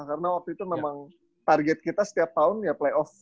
karena waktu itu memang target kita setiap tahun ya playoff